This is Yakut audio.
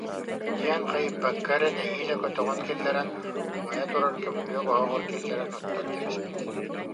диэн хайыппакка эрэ, нэһиилэ көтөҕөн киллэрэн, умайа турар көмүлүөк оһоҕор киллэрэн оттон кэбиспит